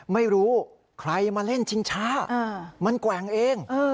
ไม่รู้ใครมาเล่นชิงช้ามันแกว่งเอง